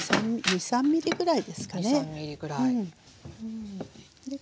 ２３ｍｍぐらい。